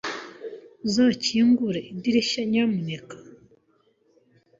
Uzakingura idirishya, nyamuneka?